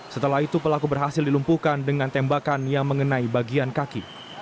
setelah itu pelaku berhasil dilumpuhkan dengan tembakan yang mengenai bagian kaki